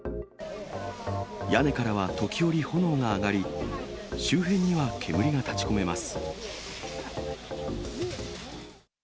屋根からは時折、炎が上がり、周辺には煙が立ちこめます。